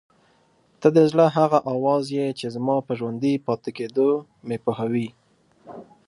ته د زړه هغه اواز یې چې زما په ژوندي پاتې کېدو مې پوهوي.